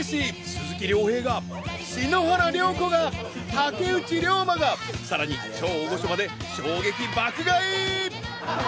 鈴木亮平が、篠原涼子が竹内涼真が更に、超大御所まで衝撃爆買い！